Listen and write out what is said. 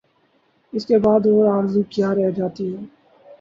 اس کے بعد اور آرزو کیا رہ جاتی ہے؟